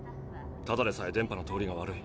ただでさえ電波の通りが悪い。